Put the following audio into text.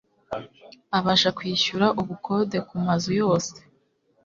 abasha kwishyura ubukode kumazu yose